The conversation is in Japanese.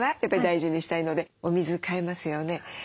やっぱり大事にしたいのでお水換えますよね。